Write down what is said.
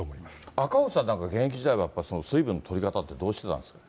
赤星さんなんかは現役時代は水分の取り方っていうのはどうしてたんですか。